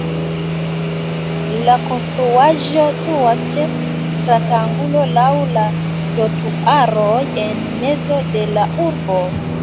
La konstruaĵo situas ĉe stratangulo laŭ la trotuaroj en mezo de la urbo.